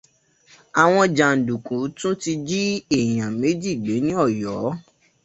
Àwọn jàndùkú tún ti jí èèyàn méjì gbé ní Ọ̀yọ́.